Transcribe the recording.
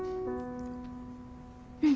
うん。